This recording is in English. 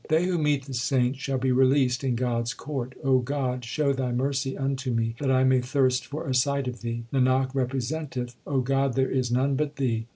They who meet the saints shall be released in God s court. O God, show Thy mercy unto me that I may thirst for a sight of Thee. Nanak representeth O God, there is none but Thee.